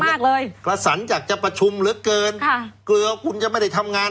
มากเลยราศรรย์จากจัดประชุมลึกเกินค่ะเคลือคุณจะไม่ได้ทำงาน